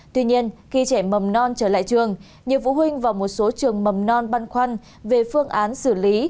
tuy nhiên khi trẻ mầm non trở lại trường nhiều phụ huynh và một số trường mầm non khoăn về phương án xử lý